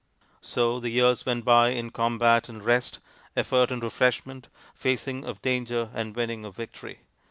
So the years went by in combat and rest, effort md refreshment, facing of danger and winning of victory.